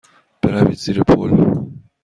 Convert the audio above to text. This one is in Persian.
بروید زیر پل.